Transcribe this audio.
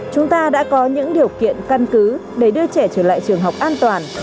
chúng ta đã có những điều kiện căn cứ để đưa trẻ trở lại trường học an toàn